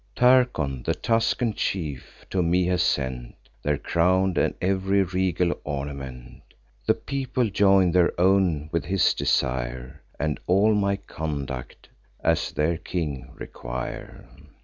Tarchon, the Tuscan chief, to me has sent Their crown, and ev'ry regal ornament: The people join their own with his desire; And all my conduct, as their king, require.